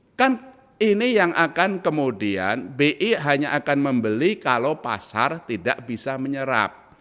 nah kan ini yang akan kemudian bi hanya akan membeli kalau pasar tidak bisa menyerap